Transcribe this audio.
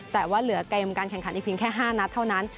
แต่ว่าเหลือเกมการแข่งขันอีกเพียงแค่๕นัดเท่านั้น